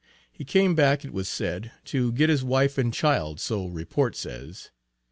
He came back it was said, to get his wife and child, so report says.